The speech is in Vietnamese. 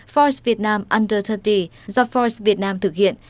voice việt nam under ba mươi do voice việt nam thực hiện